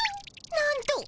なんと！